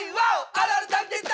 あるある探検隊！